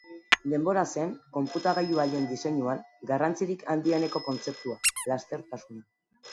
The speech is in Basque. Denbora zen, konputagailu haien diseinuan, garrantzirik handieneko kontzeptua: lastertasuna.